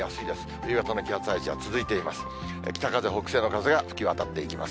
冬型の気圧配置が続いています。